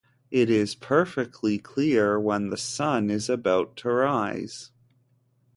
It is perfectly clear when the sun is about to rise.